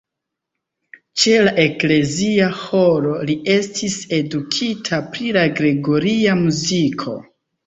Ĉe la eklezia ĥoro li estis edukita pri la gregoria muziko.